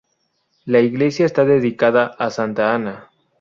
La iglesia está dedicada a santa Ana.